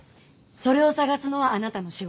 それを探すのはあなたの仕事！